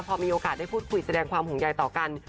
พอมีโอกาสได้พูดคุยแสดงความห่วงใยต่อกัน